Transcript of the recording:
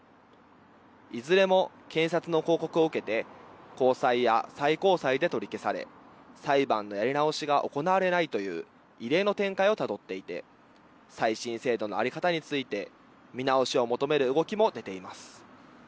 いずれも検察の抗告を受けて高裁や最高裁で取り消され裁判のやり直しが行われないという異例の展開をたどっていて再審制度の在り方について見直しを求める動きも出ています。